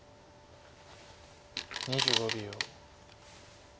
２５秒。